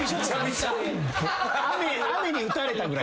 雨に打たれたぐらい。